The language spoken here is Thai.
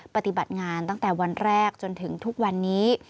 ปฏิบัติงานตั้งแต่วันแรกจนถึงทุกวันนี้